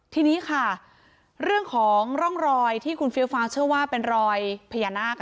ทีนี้ค่ะเรื่องของร่องรอยที่คุณเฟี้ยวฟางเชื่อว่าเป็นรอยพญานาค